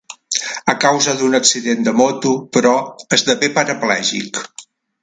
A causa d'un accident de moto, però, esdevé paraplègic.